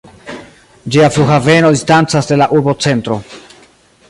Ĝia flughaveno distancas de la urbocentro.